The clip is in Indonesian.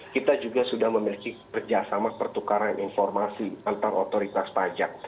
kita juga sudah memiliki kerjasama pertukaran informasi antar otoritas pajak